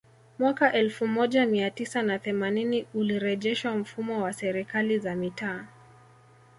Mwaka elfu moja mia tisa na themanini ulirejeshwa mfumo wa Serikali za Mitaa